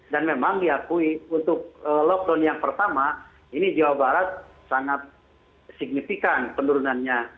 dan memang diakui untuk lockdown yang pertama ini jawa barat sangat signifikan penurunannya